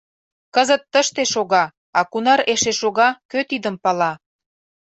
Кызыт тыште шога, а кунар эше шога, кӧ тидым пала.